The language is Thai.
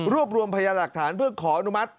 รวมรวมพยาหลักฐานเพื่อขออนุมัติ